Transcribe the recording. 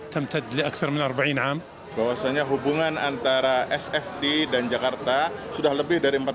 kemudian juga hubungannew net dan pemasaran ke jakarta